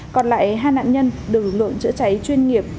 còn lại hai nạn nhân được lực lượng chữa cháy chuyên nghiệp